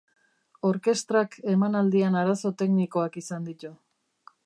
Orkestrak emanaldian arazo teknikoak izan ditu.